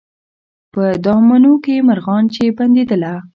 په دامونو کي مرغان چي بندېدله